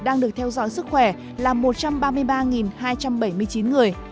đang được theo dõi sức khỏe là một trăm ba mươi ba hai trăm bảy mươi chín người